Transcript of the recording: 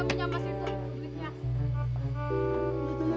masukin sama situ kulitnya